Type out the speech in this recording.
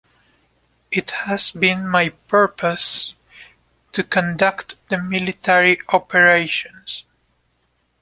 It has been my purpose to conduct the military operations.